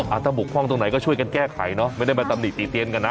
ถ้าบกพร่องตรงไหนก็ช่วยกันแก้ไขเนอะไม่ได้มาตำหนิติเตียนกันนะ